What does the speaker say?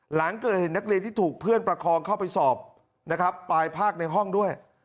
หลังเกิดเหตุนักเรียนที่ถูกเพื่อนประคองเข้าไปสอบนะครับปลายภาคในห้องด้วย